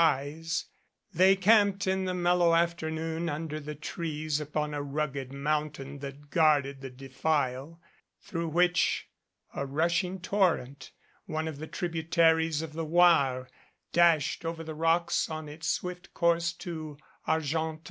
244 GREAT PAN IS DEAD They camped in the mellow afternoon under the trees upon a rugged mountain that guarded the defile, through which a rushing torrent, one of the tributaries of the Oire, dashed over the rocks on its swift course to Argen tan.